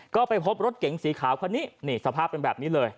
ก็ไปพบรถเก๋งสีขาวคันนี้นี่สภาพเป็นแบบนี้เลย